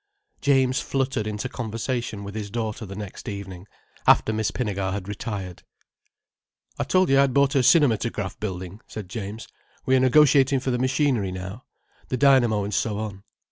James fluttered into conversation with his daughter the next evening, after Miss Pinnegar had retired. "I told you I had bought a cinematograph building," said James. "We are negotiating for the machinery now: the dynamo and so on."